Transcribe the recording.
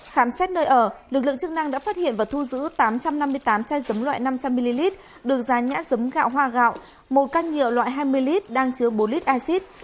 khám xét nơi ở lực lượng chức năng đã phát hiện và thu giữ tám trăm năm mươi tám chai giấm loại năm trăm linh ml được giá nhã giấm gạo hoa gạo một căn nhiều loại hai mươi l đang chứa bốn l acid